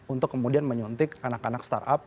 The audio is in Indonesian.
untuk kemudian menyuntik anak anak start up